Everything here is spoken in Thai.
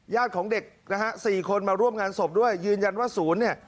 ของเด็กนะฮะสี่คนมาร่วมงานศพด้วยยืนยันว่าศูนย์เนี่ย